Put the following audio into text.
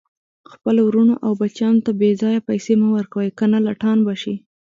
خپلو ورونو او بچیانو ته بیځایه پیسي مه ورکوئ، کنه لټان به شي